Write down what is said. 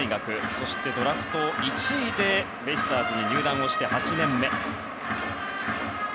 そして、ドラフト１位でベイスターズに入団して８年目。